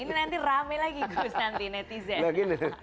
ini nanti ramai lagi guz